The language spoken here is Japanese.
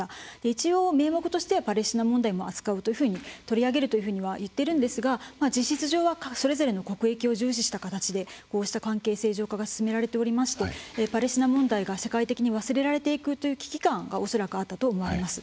一応名目としてはパレスチナ問題も扱うというふうに取り上げるというふうには言っているんですが実質上はそれぞれの国益を重視した形でこうした関係正常化が進められておりましてパレスチナ問題が社会的に忘れられていくという危機感が恐らくあったと思われます。